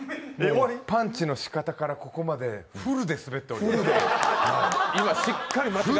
パンチのしかたからここまでフルでスベっております。